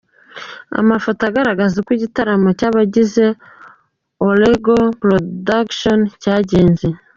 Amafoto agaragaza uko igitaramo cy’abagize Oregon Production cyagenze.